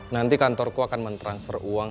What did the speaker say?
nanti kantorku akan mentransfer uang